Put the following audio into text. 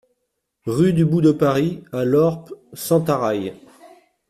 Rue du Bout de Paris à Lorp-Sentaraille